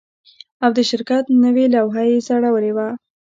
او د شرکت نوې لوحه یې ځړولې وه